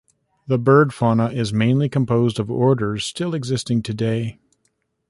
The bird fauna is mainly composed of orders still existing today.